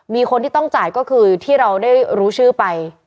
มีคนที่ต้องจ่ายก็คือที่เราได้รู้ชื่อไป